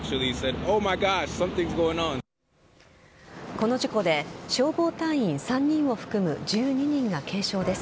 この事故で消防隊員３人を含む１２人が軽傷です。